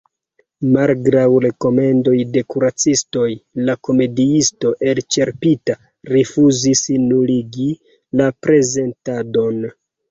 Malgraŭ rekomendoj de kuracistoj, la komediisto, elĉerpita, rifuzis nuligi la prezentadon.